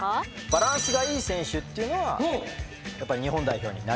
バランスがいい選手っていうのはやっぱり日本代表になれる。